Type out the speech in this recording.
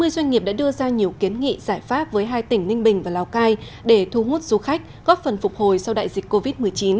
sáu mươi doanh nghiệp đã đưa ra nhiều kiến nghị giải pháp với hai tỉnh ninh bình và lào cai để thu hút du khách góp phần phục hồi sau đại dịch covid một mươi chín